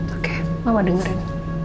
oke mama dengerin